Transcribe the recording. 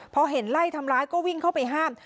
พอเห็นไล่ทำร้ายก็วิ่งเข้าไปห้าม